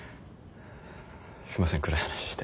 すいません暗い話して。